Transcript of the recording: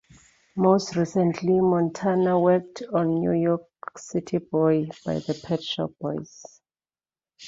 Most recently, Montana worked on "New York City Boy" by the Pet Shop Boys.